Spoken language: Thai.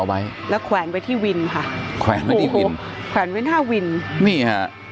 ไว้แล้วแขวนไว้ที่วินค่ะแขวนไว้ที่วินแขวนไว้หน้าวินนี่ฮะ